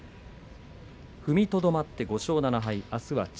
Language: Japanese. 踏みとどまって５勝７敗。